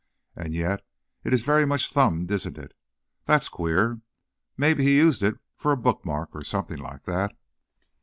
And yet, it is very much thumbed, isn't it? That's queer. Maybe he used it for a bookmark, or something like that."